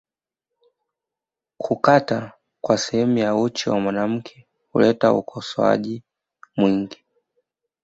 Kukata kwa sehemu ya uchi wa mwanamke huleta ukosoaji mwingi